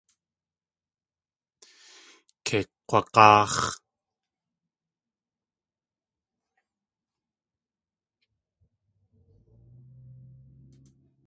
Kei kg̲wag̲áax̲.